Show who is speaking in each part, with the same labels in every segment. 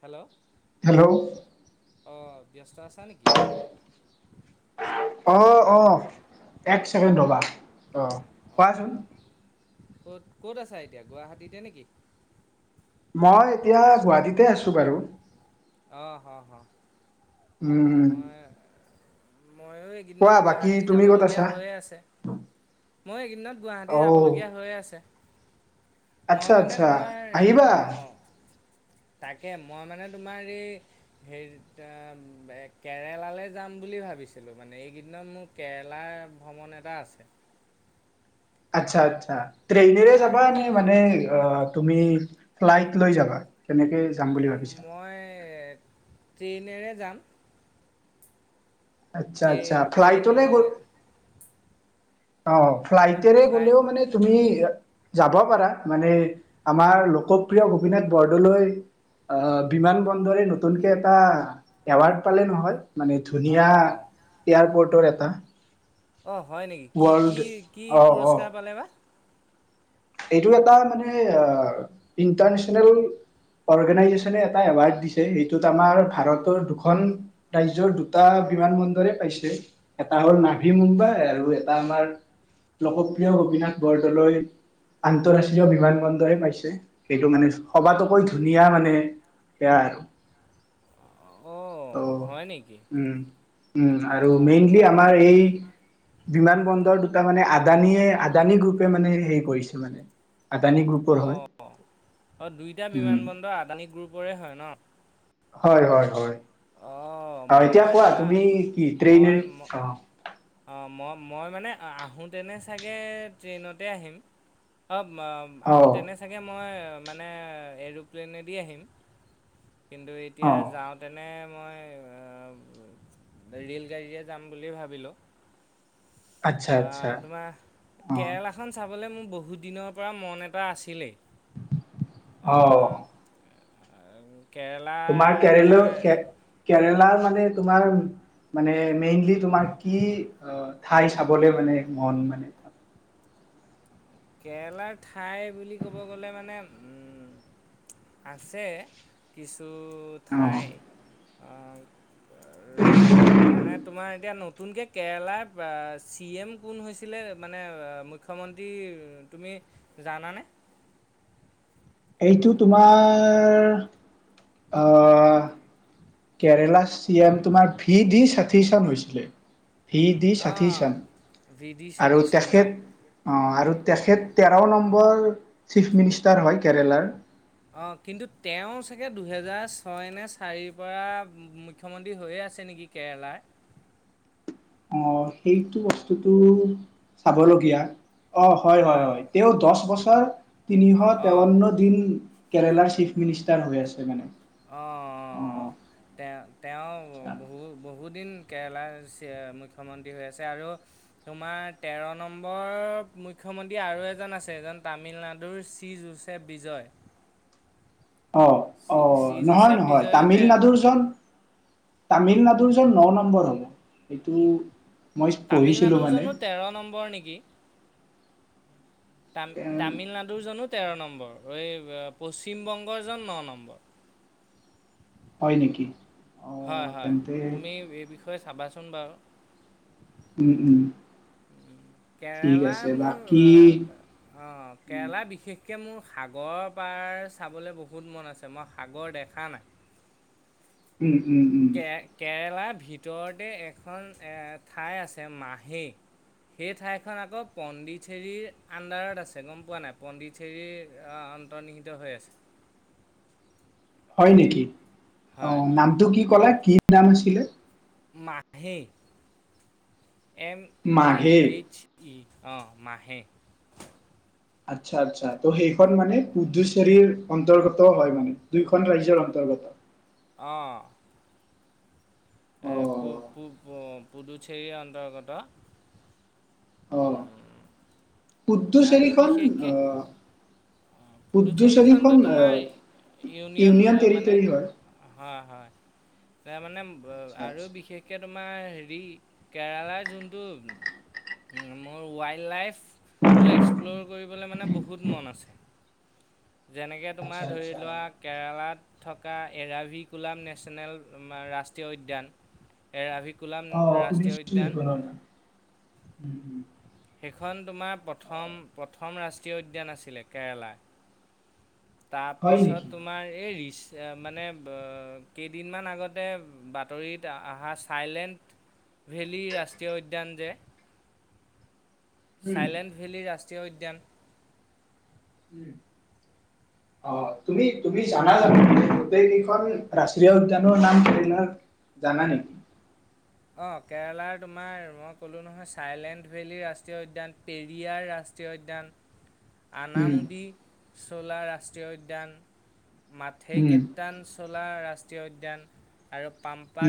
Speaker 1: Hello অঁ
Speaker 2: hello
Speaker 1: বব্যস্তা আচা নেকি
Speaker 2: অঁ অ এক ছেকেণ্ড ৰ'বা। অ
Speaker 1: অঁ
Speaker 2: কোৱাচোন।
Speaker 1: ক'ত ক'ত আছ এতিয়া গুৱাহাটীতে নেকি
Speaker 2: মই এতিয়া গুৱাহাটীতে আছো বাৰু
Speaker 1: আহ আহ আহ
Speaker 2: উও
Speaker 1: ময়ো এইকেইদিনত গুৱাহাটী
Speaker 2: ক'ত
Speaker 1: যাবলগীয়া
Speaker 2: আছা?
Speaker 1: হৈয়ে আছে ময়ো এইকেইদিনত গুৱাহাটী
Speaker 2: অ',
Speaker 1: যাবলগীয়া হৈয়ে আছে মই
Speaker 2: আচ্ছা,
Speaker 1: মানে
Speaker 2: আচ্ছা
Speaker 1: তোমাৰ
Speaker 2: আহিবা
Speaker 1: আহ তাকে মই মানে তোমাৰ এই হ কেৰেলালৈ যাম বুলি ভাবিছিলোঁ মানে এইকেইদিনত মোৰ কেৰেলাৰ ভ্ৰমণ এটা আছে
Speaker 2: আচ্ছা আচ্ছা। ট্ৰেইনেৰে
Speaker 1: তাক
Speaker 2: যাবা নে মানে তুমি ফ্লাইট লৈ যাবা কেনেকৈ যাম বুলি ভাবিছা
Speaker 1: মই ট্ৰেইনেৰে যাম
Speaker 2: আচ্ছা আচ্ছা ফ্লাইটো গ
Speaker 1: ট্ৰেইনেৰে
Speaker 2: অ
Speaker 1: নে
Speaker 2: ফ্লাইটেৰে
Speaker 1: ফ্লাইট
Speaker 2: গ'লেও মানে তুমি যাব পাৰা মানে আমাৰ লোকপ্ৰিয় গোপীনাথ বৰদলৈ আহ বিমান বন্দৰে নতুনকে এটা এৱাৰ্ড পালে নহয় মানে ধুনীয়া
Speaker 1: অঁ
Speaker 2: এয়াৰপৰ্টৰ এটা এ
Speaker 1: অ, হয় নেকি? কি, কি, কি
Speaker 2: অ অ
Speaker 1: পুৰস্কাৰ পালে বা?
Speaker 2: এইটো এটা মানে ইণ্টাৰনেচনেল অৰ্গেনাইজেচনে এটা এৱাৰ্ড দিছে। সেইটোত আমাৰ ভাৰতৰ দুখন ৰাজ্যৰ দুটা বিমান বন্দৰে পাইছে। এটা হ'ল নাভি মুম্বাই আৰু এটা আমাৰ লোকপ্ৰিয় গোপীনাথ বৰদলৈ আন্তৰাষ্ট্ৰীয় বিমান বন্দৰে পাইছে। সেইটো মানে সবাতোকৈ ধুনীয়া মানে সেয়া আৰু।
Speaker 1: অঁ
Speaker 2: অ ও
Speaker 1: হয় নেকি
Speaker 2: - ও আৰু
Speaker 1: ম
Speaker 2: মেইনলি আমাৰ এই বিমান বন্দৰ দুটা মানে আদানীয়ে আদানী গ্ৰুপে মানে হেৰি কৰিছে। সেটু মানে আদানী গ্ৰুপৰ
Speaker 1: অ,
Speaker 2: হয়
Speaker 1: অ দুইটা
Speaker 2: উম,
Speaker 1: বিমানবন্দৰ আদানী গ্ৰুপৰে হয় ন?
Speaker 2: হয়। হয়। হয়।
Speaker 1: অ।
Speaker 2: আহ এতিয়া কোৱা তুমি কি ট্ৰেইনে
Speaker 1: ম-
Speaker 2: আহ
Speaker 1: অঁ মই মই মানে আহোঁতেনে চাগৈ ট্ৰেইনতে আহিম। অ
Speaker 2: অ',
Speaker 1: আহোঁতেনে চাগে মই মানে এৰ'প্লেনেদি আহিম। কিন্তু এতিয়া
Speaker 2: অ',
Speaker 1: যাওঁতেনে মই ৰে'ল গাড়ীৰে যাম বুলিয়ে ভাবিলোঁ।
Speaker 2: আচ্ছা,
Speaker 1: অ,
Speaker 2: আচ্ছা,
Speaker 1: তোমাৰ
Speaker 2: অ',
Speaker 1: কেৰেলাখন চাব মোৰ বহুত দিনৰ পৰা মন এটা আছিলেই। আ,
Speaker 2: অঅ।
Speaker 1: কেৰেলাৰ
Speaker 2: তোমাৰ কেৰেল
Speaker 1: তোমাৰ
Speaker 2: কে কেৰেলা তোমাৰ মানে মেইনলি তোমাৰ কি ঠাই চাবলে মানে মন মানে।
Speaker 1: কেৰেলাৰ ঠাই বুলি ক'ব গ'লে মানে উম আছে কিছু। টো
Speaker 2: অ',
Speaker 1: ঠাই অ। ৰবা, মানে তোমাৰ এতিয়া ন নতুনকে কেৰেলাৰ চি এম কোন হৈছিলে? মানে মুখ্যমন্ত্ৰী তুমি জানানে?
Speaker 2: এইটো তোমাৰ অ কেৰেলা চি এম তোমাৰ ভি ডি ষাঠি চন হৈছিলে। ভি দি ষাঠি
Speaker 1: অঁ
Speaker 2: চন
Speaker 1: ভি ডি
Speaker 2: আৰু
Speaker 1: সতীশন না
Speaker 2: তেখেত আৰু তেখেত তেৰ নম্বৰ চিফ মিনিষ্টাৰ হয় কেৰেলাৰ।
Speaker 1: অ, কিন্তু তেওঁ চাগে দুহেজাৰ ছয় নে চাৰিৰ পৰা মুখ্যমন্ত্ৰী হৈয়ে আছে নেকি কেৰেলাৰ?
Speaker 2: অ, সেইটো বস্তুটো চাবলগীয়া। অ। হয়। হয়।
Speaker 1: অঁ
Speaker 2: হয়। তেওঁ দছ বছৰ ছ [inaudible] তিনিশ
Speaker 1: অঁ
Speaker 2: তেৱন্ন দিন কেৰেলাৰ চিফ মিনিষ্টাৰ হৈ আছে মানে
Speaker 1: অঁ তেওঁ তেওঁ
Speaker 2: আচ্ছা
Speaker 1: বহু বহুদিন কেৰেলাৰ মুখ্যমন্ত্ৰী হৈ আছে আৰু তোমাৰ তেৰ নম্বৰ মুখ্যমন্ত্ৰী আৰু এজন আছে এজন তামিলনাডুৰ চিজোছে বিজয়
Speaker 2: অঁ
Speaker 1: চি
Speaker 2: অঁ
Speaker 1: চি
Speaker 2: নহয়
Speaker 1: জোচেফ
Speaker 2: নহয়
Speaker 1: বিজয়ো তেৰ
Speaker 2: তামিলনাডুৰ জন তামিলনাডুৰ জন ন ন হব এইটো
Speaker 1: তামিলনাডুৰ জনো তেৰ নম্বৰ নেকি? তাম
Speaker 2: এ
Speaker 1: তামিলনাডুৰ জনো তেৰ নম্বৰ পশ্চিম বংগৰ জন ন নম্বৰ
Speaker 2: হয় নেকি? অঁ
Speaker 1: হয় হয়
Speaker 2: তেন্তে
Speaker 1: তুমি এই বিষয়ে চাবাচোন সোনবাৰ
Speaker 2: উম উম ঠিক
Speaker 1: কেৰেলা
Speaker 2: আছে
Speaker 1: মোৰ
Speaker 2: বাকী
Speaker 1: অঁ
Speaker 2: উম,
Speaker 1: কেৰেলা বিশেষ গতিকে মোৰ সাগৰ পাৰ চাবলৈ বহুত মন আছে মই সাগৰ দেখা নাই
Speaker 2: উম, উম, উম,
Speaker 1: কে কেৰেলা ভিতৰতে এখন ঠাই আছে মাহী সেই ঠাইখন আকৌ পণ্ডিচেৰীৰ আণ্ডাৰত আছে গম পোৱা নাই পণ্ডিচেৰীৰ অন্তৰ্নিহিত হৈ আছে।
Speaker 2: হয় নেকি?
Speaker 1: হয়
Speaker 2: অঁ নামটো কি কলা কি নাম আছিল। ছিলে
Speaker 1: মাহি এম এ
Speaker 2: মাঘে
Speaker 1: এইচ ই অঁ মাহে
Speaker 2: আচ্ছা আচ্ছা ত' সেইখন মানে পুডুচ্বেৰীৰ অন্তৰ্গত হয় মানে দুইখন ৰাজ্যৰ অন্তৰ্গত
Speaker 1: অঁ এ পূব
Speaker 2: অ'
Speaker 1: পূব অ পুডুচেৰী অন্তৰ্গত আৰু
Speaker 2: পুডুচেৰিখন আহ
Speaker 1: অঁ পুডুচেৰীখনতো
Speaker 2: পুডুচেৰীখন
Speaker 1: তোমাৰ
Speaker 2: আহ
Speaker 1: ইউনিয়ন মানে
Speaker 2: টেৰিটৰী হয়।
Speaker 1: হয় হয় তাৰ মানে
Speaker 2: আচ্ছা
Speaker 1: আৰু
Speaker 2: আচ্ছা
Speaker 1: বিশেষকে তোমাৰ হেৰি কেৰালাৰ যোনটো মোৰ ৱাইল্ড লাইফ টো এক্সপ্ল'ৰ কৰিবলৈ মানে বহুত মন আছে। যেনেকৈ তোমাৰ
Speaker 2: আচ্ছা
Speaker 1: ধৰি
Speaker 2: আচ্ছা
Speaker 1: লোৱা কেৰেলাত থকা এৰাভিকুলাম নেশ্যনেল ৰাষ্ট্ৰীয় উদ্যান এৰাভিকু
Speaker 2: অ' খুুলি কোনো নাই। উম! হম!
Speaker 1: সেইখন তোমাৰ প্ৰথম, প্ৰথম ৰাষ্ট্ৰীয় উদ্যান আছিলে, কেৰেলা।
Speaker 2: হয় নেকি?
Speaker 1: তাৰপিছত তোমাৰ এই ৰিচাৰ্ছ মানে কেইদিনমান আগতে, বাতৰিত অহা চাইলেণ্ট ভেলী, ৰাষ্ট্ৰীয় উদ্যান যে
Speaker 2: উম,
Speaker 1: চাইলেণ্ট ভেলি ৰাস্তা ৰাষ্ট্ৰীয় উদ্যান
Speaker 2: আহ তুমি, তুমি জানা জানোঁ গোটেই কেইখন ৰাষ্ট্ৰীয় উদ্যানৰ নাম কৰিলা জানা নেকি?
Speaker 1: অঁ কেৰেলাৰ তোমাৰ মই ক'লোঁ নহয় চাইলেণ্ট ভেলী ৰাষ্ট্ৰীয় উদ্যান, পেৰিয়াৰ ৰাষ্ট্ৰীয় উদ্যান
Speaker 2: উম,
Speaker 1: আনামুদি চলা ৰাষ্ট্ৰীয় উদ্যান। মথেই
Speaker 2: উম,
Speaker 1: কেইটান চলা ৰাস ৰাষ্ট্ৰীয় উদ্যান। আৰু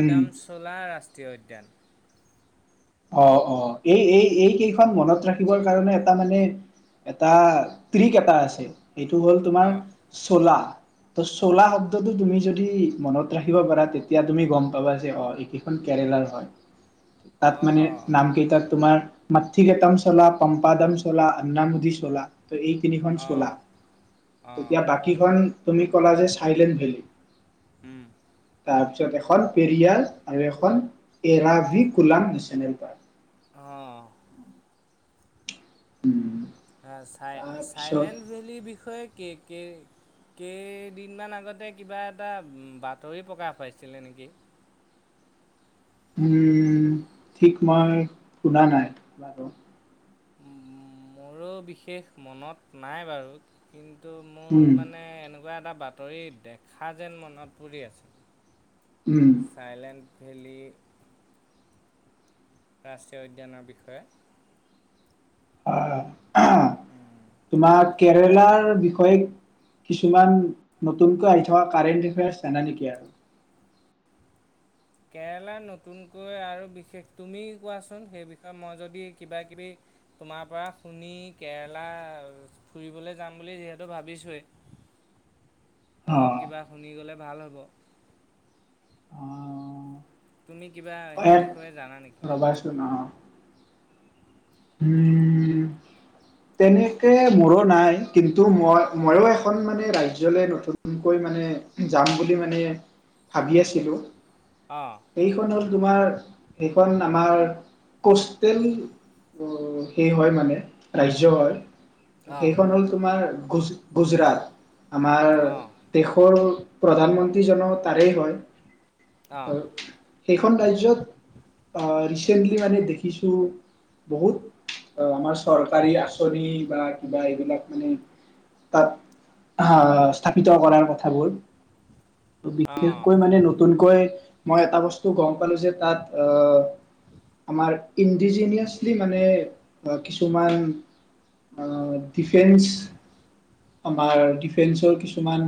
Speaker 2: উম,
Speaker 1: চলা ৰাস ৰাষ্টীয় উদ্যান।
Speaker 2: অ অ এই এই এই কেইখন মনত ৰাখিবৰ কাৰণে এটা মানে এটা ট্ৰিক, এটা আছে। এইটো হ'ল তোমাৰ
Speaker 1: অঁ
Speaker 2: চোলা। ত চলা শব্দটো তুমি যদি মনত ৰাখিব পাৰা, তেতিয়া তুমি গম পাবা যে অ এইকেইখন কেৰেলাৰ হয়। তাত মানে
Speaker 1: অঁ
Speaker 2: নামকেইটাত তোমাৰ মথিগেতম চোলা, পম্পাদম চোলা, অন্নামদি চোলা। ত' এই তিনিখন চোলা,
Speaker 1: অঁ অঁ
Speaker 2: তেতিয়া বাকীখন তুমি ক'লা যে চাইলেণ্ট ভেলী।
Speaker 1: উম!
Speaker 2: তিছত এখন পেৰিয়াৰ, আৰু এখন এৰাভিক ফল দু চেনেল পাৰ।
Speaker 1: অঁ।
Speaker 2: উম!
Speaker 1: চাই চাইলেণ্ট ভেলিৰ বিষয়ে কেই, কেই, কেইদিনমান আগতে কিবা এটা বাতৰি প্ৰকাশ পাইছিলে নেকি?
Speaker 2: উম ঠিকমাৰ শুনা নাই বাৰু।
Speaker 1: উ মোৰো বিশেষ মনত নাই বাৰু, কিন্তু ত' মোৰ
Speaker 2: উম
Speaker 1: মানে এনেকুৱা কিবা এটা বাতৰি দেখা যেন মনত পৰি
Speaker 2: উম
Speaker 1: আছিল চাইলেণ্ট। ভেলী ৰাষ্ট্ৰীয় উদ্যানৰ বিষয়ে
Speaker 2: অ'! তোমাৰ
Speaker 1: বা
Speaker 2: কেৰেলাৰ বিষয়ে কিছুমান নতুনকৈ আহি থকা কাৰেণ্ট আফেয়াৰিচ জানা নেকি আৰু?
Speaker 1: কেৰেলা নতুনকৈ আৰু বিশেষ তুমি কোৱাচোন সেই বিষয়ে? মই যদি কিবা কিবি তোমাৰ পৰা শুনি কেৰেলা ফুৰিবলৈ যাম বুলি যিহেতু ভাবিছোঁৱেই!
Speaker 2: অ
Speaker 1: অলপ কিবা শুনি গ'লে ভাল হ' [unintelligible]
Speaker 2: অঁ!
Speaker 1: তুমি কিবা সেই বিষয়ে জানা নেকি?
Speaker 2: ৰ'বাচোন অ উম, তেনেকে মোৰো নাই। কিন্তু, মই মইয়ো এখন মানে, ৰাজ্যলৈ নতুনকৈ মানে, যাম বুলি মানে ভাবি আছিলোঁ!
Speaker 1: অঁ
Speaker 2: এইখন হ'ল তোমাৰ সেইখন আমাৰ কষ্টেল সেই হয় মানে, ‌ ৰাজ্য হয়। ত'
Speaker 1: অঁ
Speaker 2: সেইখন হ'ল তোমাৰ গুজ, গুজৰাট আমাৰ
Speaker 1: অঁ
Speaker 2: দেশৰ প্ৰধানমন্ত্ৰী জনো তাৰেই হয়।
Speaker 1: অঁ
Speaker 2: [unintelligible] সেইখন ৰাজ্যত অ'! ৰিচেণ্টলি মানে দেখিছোঁ বহুত আমাৰ চৰকাৰী আঁচনি বা কিবা এইবিলাক মানে তাত আঁ স্থাপিত কৰাৰ কথাবোৰ। ত'
Speaker 1: অঁ
Speaker 2: বিশেষকৈ মানে, নতুন মই এটা বস্তু গম পালো যে, তাত আমাৰ ইণ্ডিজিনিয়ছ মানে, কিছুমান ডিফেন্স, আমাৰ ডিফেন্সৰ কিছুমান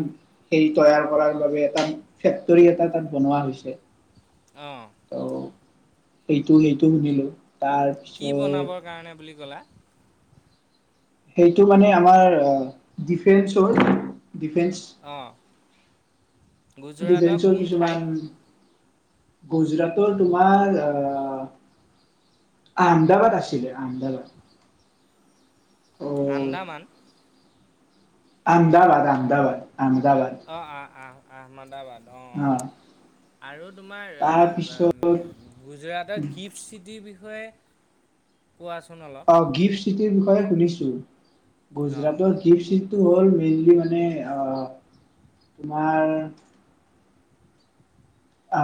Speaker 2: হেৰি তৈয়াৰ কৰাৰ বাবে এটা, ফেক্টৰী এটা তাত বনোৱা হৈছে।
Speaker 1: অ'!
Speaker 2: ত' সেইটো, সেইটো শুনিলো। তাৰ
Speaker 1: কি বনাবৰ কাৰণে বুলি কি ক'লা?
Speaker 2: সেইটো মানে, আমাৰ ডিফেন্সৰ ডিফেন্স
Speaker 1: অঁ গুজৰাটৰ
Speaker 2: ডিফেন্সৰ
Speaker 1: কোন ঠাইত
Speaker 2: কিছুমান গুজৰাটৰ তোমাৰ আহমেদাবাদ আছিলে, আমদাবাদ।
Speaker 1: আন্দামান
Speaker 2: আহমেদাবাদ, আহমেদাবাদ
Speaker 1: অ'! অ'! অ'! আহমদাবাদ। অ'! আৰু তোমাৰ
Speaker 2: তাৰপিছত
Speaker 1: গুজৰাটৰ গিফ্ট চিটিৰ বিষয়ে হয় কোৱাচোন অলপ
Speaker 2: অ', গিফ্ট চিটিৰ বিষয়ে শুনিছোঁ
Speaker 1: অঁ
Speaker 2: গুজৰাটৰ, গিফ্ট চিষ্ট কি সটো হ'ল মেইনলি মানে আহ তোমাৰ অ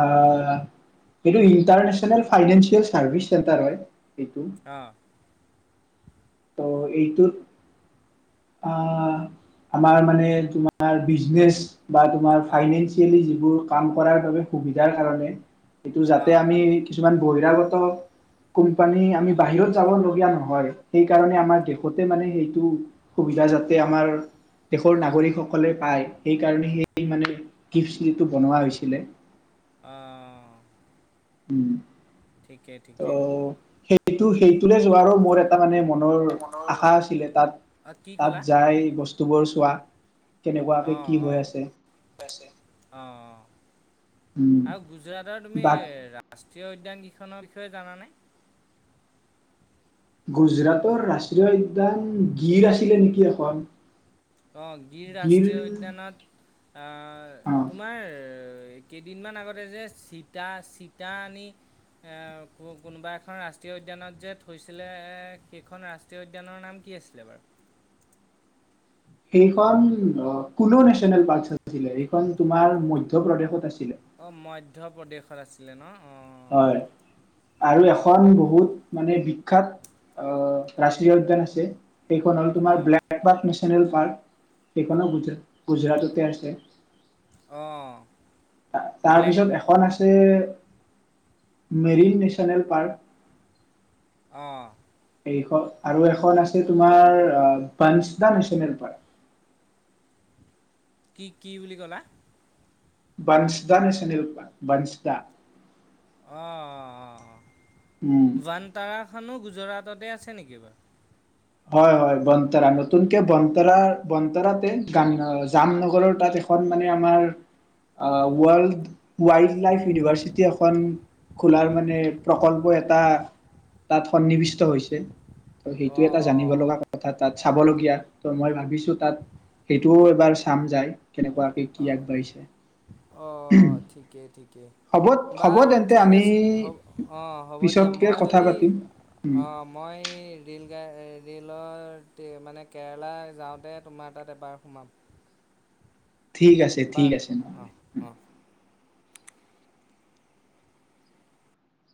Speaker 2: এইটো ইন্টাৰনেছনেলৰ ফাইনেল চাৰ্ভিছ হয়। এইটো
Speaker 1: অঁ
Speaker 2: ত' এইটো আহ আমাৰ মানে তোমাৰ বিজনেচ বা তোমাৰ
Speaker 1: অঁ
Speaker 2: ফাইনেন্সিয়েলি যিবোৰ কাম কৰাৰ বাবে সুবিধাৰ কাৰণে এইটো যাতে
Speaker 1: অঁ
Speaker 2: আমি কিছুমান বহিৰাগত কোম্পানী আমি বাহিৰত যাবলগীয়া নহয় সেইকাৰণে আমাৰ দেশতে মানে সেইটো সুবিধা যাতে আমাৰ দেশৰ নাগৰিকসকলে পায় সেইকাৰণে সেই মানে গিফ্টচ যিটো বনোৱা হৈছিলে
Speaker 1: আহ
Speaker 2: উম ত সেইটো সেইটো বাৰু মোৰ এটা মানে মনৰ আশা আছিলে তাত
Speaker 1: অঁ কি ক'লা
Speaker 2: তাত যাই বস্তু বৰ চোৱা কেনেকুৱাকৈ কি হৈ আছে।
Speaker 1: অ
Speaker 2: উম,
Speaker 1: আৰু গুজৰাটৰ, তুমি
Speaker 2: বা
Speaker 1: ৰা ৰাষ্ট্ৰীয় উদ্যান কেইখনৰ বিষয়ে জানে।
Speaker 2: গুজৰাটৰ, ৰাষ্ট্ৰীয় উদ্যান, গিৰ আছিলে নেকি এখন
Speaker 1: আহ গিৰ
Speaker 2: গিল
Speaker 1: ৰাষ্ট্ৰীয় উদ্যানত
Speaker 2: অ'
Speaker 1: তোমাৰ কেইদিনমান আগতে যে চিতা চিতা আনি কোনোবা এখন ৰাষ্ট্ৰীয় উদ্যানত যে থৈছিলে সেইখন ৰাষ্ট্ৰীয় উদ্যানৰ নাম কি আছিলে বাৰু
Speaker 2: সেইখন কুলো নেচনেল পাৰ্ক আছিলে সেইখন তোমাৰ মধ্য প্ৰদেশত আছিল।
Speaker 1: অ মধ্য প্ৰদেশত আছে। আছিলে ন অঁ
Speaker 2: হয় আৰু
Speaker 1: অঁ
Speaker 2: এখন বহুত মানে বিখ্যাত আহ ৰাষ্ট্ৰীয় উদ্যান আছে। এইখন হ'ল
Speaker 1: অঁ
Speaker 2: তোমাৰ
Speaker 1: অঁ
Speaker 2: ব্লে নিয় নেশ্যনেল পাৰ্ক সেইখনো গুজ গুজৰাটতে আছে
Speaker 1: অ
Speaker 2: তাৰপিছত এখন আছে। Marine national, park.
Speaker 1: আহ।
Speaker 2: এইখন আৰু এখন আছে তোমাৰ পাঞ্চ দা নেচনেল পাৰ্ক।
Speaker 1: কি কি বুলি কলা?
Speaker 2: বাঞ্চ দা নেচনেল পাৰ্ক, বাঞ্চ দা।
Speaker 1: অ অ অ অ।
Speaker 2: উম
Speaker 1: যুৱান্তাৰা খনো গুজৰাটতে আছে নেকি বাৰু?
Speaker 2: হয় হয় বন্টৰা, নতুনকে বন্টৰা বন্টৰাতে গান জামনগৰৰ তাত এখন মানে আমাৰ ৱৰ্ল্ড ৱাইল্ড লাইফ ইউনিভাৰ্চিটি এখন খোলাৰ মানে প্ৰকল্প এটা তাত সন্নিৱিষ্ট হৈছে।
Speaker 1: অঁ
Speaker 2: এটা জানিব
Speaker 1: অঁ
Speaker 2: লগা কথা তাত চাবলগীয়া, ত মই ভাবিছো তাত সেইটোও এবাৰ চাম যায়। কেনেকুৱাকে কি
Speaker 1: অ
Speaker 2: আগবাঢ়িছে
Speaker 1: অ, ঠিকেই ঠিকেই
Speaker 2: হ'ব হ'ব
Speaker 1: বাৰু
Speaker 2: তেন্তে
Speaker 1: ঠিক
Speaker 2: আমি
Speaker 1: আছে হ'ব অ হ'ব দিয়া
Speaker 2: পিছতকে
Speaker 1: মই
Speaker 2: কথা
Speaker 1: যদি
Speaker 2: পাতিম উম,
Speaker 1: অ মই ৰে'ল গাড় ৰেলতে মানে কেৰেলা যাওঁতে তোমাৰ তাত এবাৰ সোমাম।
Speaker 2: ঠিক আছে
Speaker 1: বা
Speaker 2: ঠিক আছে, নহলে
Speaker 1: অঁ অঁ